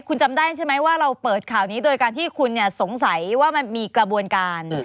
คุณจำได้ใช่ไหมว่าเราเปิดข่าวนี้โดยการที่คุณสงสัยว่ามันมีกระบวนการ